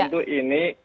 dan tentu ini